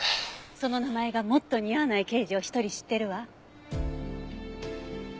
その名前がもっと似合わない刑事を１人知ってるわ。